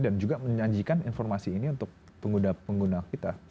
dan juga menyajikan informasi ini untuk pengguna pengguna kita